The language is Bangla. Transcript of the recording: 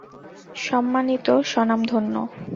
সম্মানিত, স্বনামধন্য।